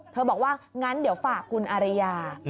บอกว่างั้นเดี๋ยวฝากคุณอาริยา